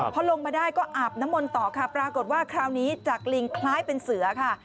พอลงมาได้ก็อาบน้ำมนต์ต่อค่ะปรากฏว่าคราวนี้จากลิงคล้ายเป็นเสือค่ะ